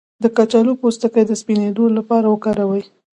د کچالو پوستکی د سپینیدو لپاره وکاروئ